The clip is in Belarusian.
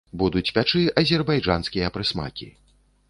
Будуць пячы азербайджанскія прысмакі.